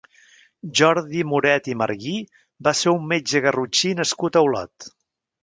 Jordi Moret i Marguí va ser un metge garrotxí nascut a Olot.